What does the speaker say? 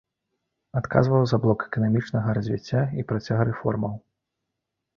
Адказваў за блок эканамічнага развіцця і працяг рэформаў.